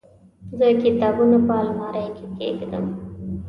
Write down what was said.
زه کتابونه په المارۍ کې کيږدم.